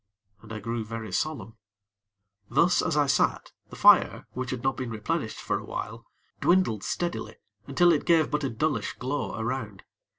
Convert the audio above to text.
And I grew very solemn. Thus as I sat, the fire, which had not been replenished for a while, dwindled steadily until it gave but a dullish glow around.